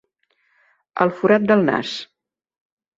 El forat del nas.